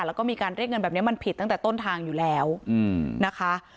แล้วก็มีการเรียกเงินแบบนี้มันผิดตั้งแต่ต้นทางอยู่แล้วนะคะ